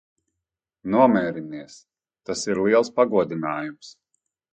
Nomierinies. Tas ir liels pagodinājums.